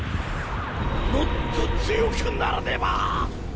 もっと強くならねば！